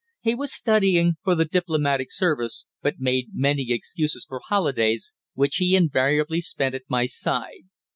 He was studying for the diplomatic service, but made many excuses for holidays, which he invariably spent at my side.